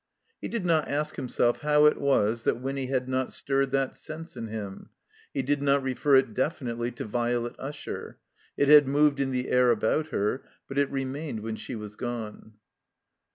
He did not ask himself how it was that Winny had not stirred that sense in him. He did not rdFer it definitely to Violet Usher. It had moved in the air about her; but it remained when she was gone.